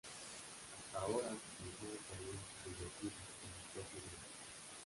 Hasta ahora se pensaba que habían divergido en el propio humano.